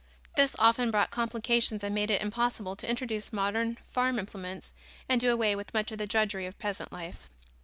This often brought complications and made it impossible to introduce modern farm implements and do away with much of the drudgery of peasant life.